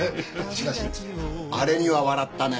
しかしあれには笑ったね